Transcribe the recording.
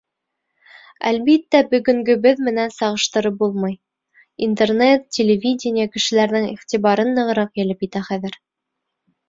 Әлбиттә, бөгөнгөбөҙ менән сағыштырып булмай, Интернет, телевидение кешеләрҙең иғтибарын нығыраҡ йәлеп итә хәҙер.